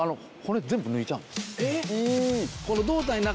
えっ。